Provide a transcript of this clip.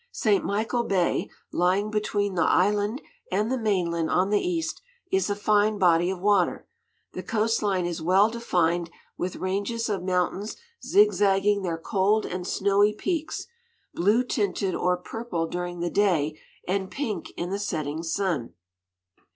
St. Michael Bay, lying between the island and the mainland on the east, is a fine body of water. The coast line is well defined with ranges of mountains zigzagging their cold and snowy peaks, blue tinted or purple during the day, and pink in the setting sun.